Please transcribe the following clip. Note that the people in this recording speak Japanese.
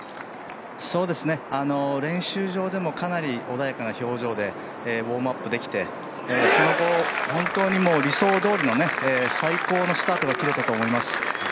練習場でもかなり穏やかな表情でウォームアップできて本当に理想どおりの最高のスタートが切れたと思います。